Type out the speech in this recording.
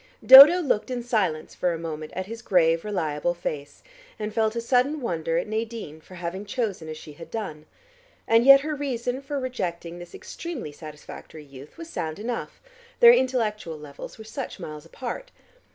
Dodo looked in silence for a moment at his grave reliable face, and felt a sudden wonder at Nadine for having chosen as she had done. And yet her reason for rejecting this extremely satisfactory youth was sound enough, their intellectual levels were such miles apart.